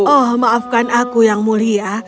oh maafkan aku yang mulia